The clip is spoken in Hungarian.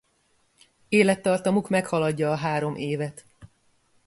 Élettartamuk meghaladja a három évet.